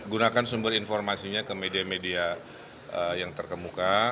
gunakan sumber informasinya ke media media yang terkemuka